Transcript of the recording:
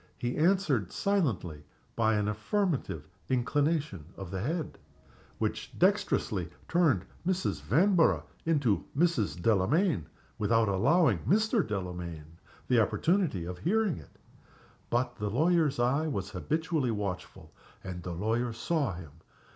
He answered silently by an affirmative inclination of the head, which dextrously turned Mrs. Vanborough into to Mrs. Delamayn without allowing Mr. Delamayn the opportunity of hearing it. But the lawyer's eye was habitually watchful, and the lawyer saw him.